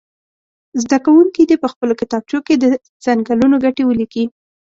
زده کوونکي دې په خپلو کتابچو کې د څنګلونو ګټې ولیکي.